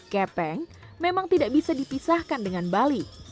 kepeng memang tidak bisa dipisahkan dengan bali